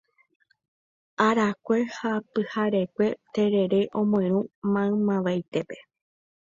arakue ha pyharekue terere omoirũ maymavaitépe.